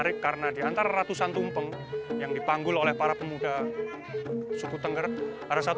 setelah didoakan ratusan tumpeng ini akan dimakan secara bersama sama oleh warga desa